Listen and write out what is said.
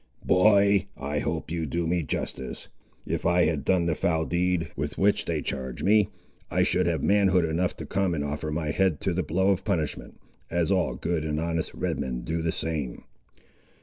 "Boy, I hope you do me justice. If I had done the foul deed, with which they charge me, I should have manhood enough to come and offer my head to the blow of punishment, as all good and honest Red men do the same."